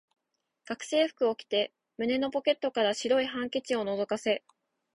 学生服を着て、胸のポケットから白いハンケチを覗かせ、